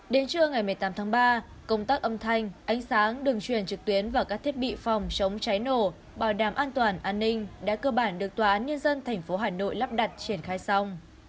đến trưa ngày một mươi tám tháng ba công tác âm thanh ánh sáng đường truyền trực tuyến và các thiết bị phòng chống cháy nổ bảo đảm an toàn an ninh đã cơ bản được tòa án nhân dân tp hà nội lắp đặt triển khai xong